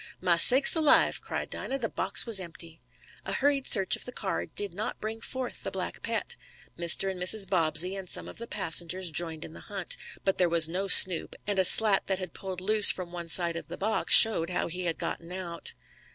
"Ma sakes alive!" cried Dinah. The box was empty! A hurried search of the car did not bring forth the black pet. Mr. and Mrs. Bobbsey, and some of the passengers, joined in the hunt. But there was no Snoop, and a slat that had pulled loose from one side of the box showed how he had gotten out.